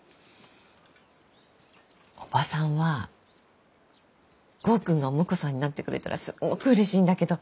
おばさんは剛くんがお婿さんになってくれたらすんごくうれしいんだけど。